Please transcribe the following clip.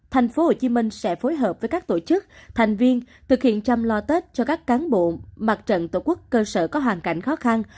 thành phố hồ chí minh sẽ phối hợp với các tổ chức thành viên thực hiện chăm lo tết cho các cán bộ mặt trận tổ quốc cơ sở có hoàn cảnh khó khăn